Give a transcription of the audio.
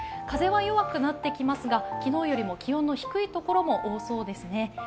風は弱くなってきますが、昨日よりも気温の低い所も多そうですね。